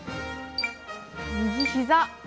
右ひざ。